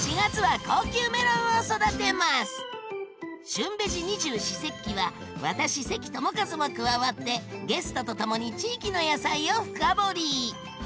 「旬ベジ二十四節気」は私関智一も加わってゲストとともに地域の野菜を深掘り！